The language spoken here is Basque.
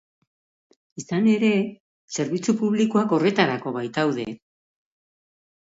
Izan ere, zerbitzu publikoak horretarako baitaude.